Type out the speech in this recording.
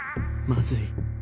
まずい